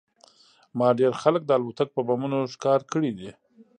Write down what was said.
ما ډېر خلک د الوتکو په بمونو ښکار کړي دي